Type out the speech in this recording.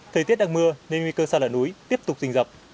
thời tiết đang mưa nên nguy cơ sạt lở núi tiếp tục rình dập